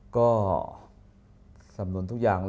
อเรนนี่แหละอเรนนี่แหละ